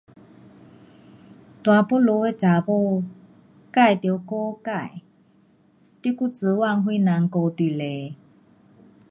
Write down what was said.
大肚子的女孩自得顾自，你还指望谁人顾你嘞？